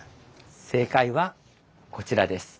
正解はこちらです。